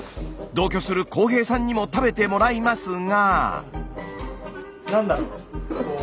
同居するコウヘイさんにも食べてもらいますが。